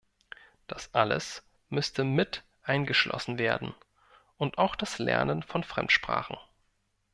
Das alles müsste mit eingeschlossen werden, und auch das Lernen von Fremdsprachen.